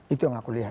itu yang aku lihat